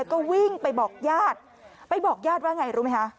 ก็วิ่งไปบอกญาติไปบอกญาติว่าไงรู้ไหมคะ